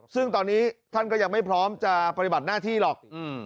ซึ่งตอนนี้ท่านก็ยังไม่พร้อมจะปฏิบัติหน้าที่หรอก